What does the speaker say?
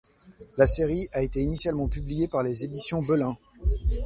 La série a été initialement publiée par les éditions Belin.